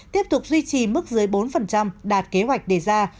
tiếp tục duy trì mức dưới bốn đạt kế hoạch đề ra